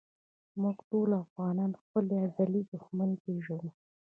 مونږ ټولو افغانان خپل ازلي دښمن پېژنو